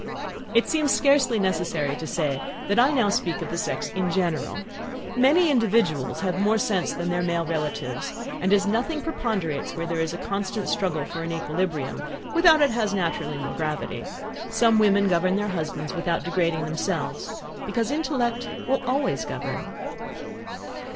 It seems scarcely necessary to say, that I now speak of the sex in general. Many individuals have more sense than their male relatives; and, as nothing preponderates where there is a constant struggle for an equilibrium, without it has naturally more gravity, some women govern their husbands without degrading themselves, because intellect will always govern.